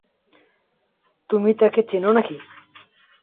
তুমি তাকে চেন নাকি?